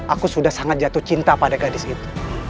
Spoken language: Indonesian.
aku sudah sangat jatuh cinta pada gadis itu